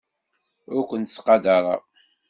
Ur kent-ttqadareɣ.